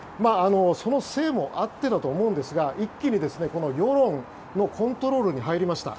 そのせいもあってだと思うんですが一気に世論のコントロールに入りました。